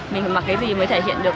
mình phải mặc cái gì mới thể hiện được